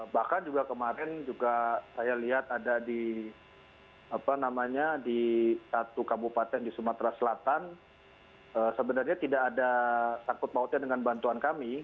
bahkan juga kemarin juga saya lihat ada di satu kabupaten di sumatera selatan sebenarnya tidak ada sangkut mautnya dengan bantuan kami